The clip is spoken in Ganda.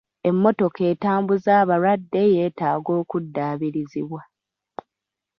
Emmotoka etambuza abalwadde yeetaaga okuddaabirizibwa.